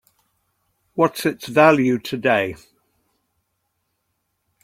What's its value today?